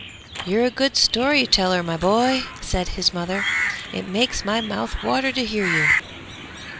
'You're a good story teller, my boy!' said his mother. 'It makes my mouth water to hear you!'